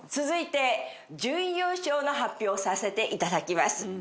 続いて準優勝の発表をさせていただきます。